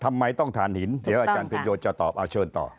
ทำไมต้องถ่านหินเดี๋ยวอาจารย์พินโยจะตอบเอาเชิญต่อ